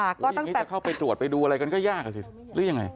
อย่างนี้จะเข้าไปตรวจไปดูอะไรกันก็ยากสิหรือยังไง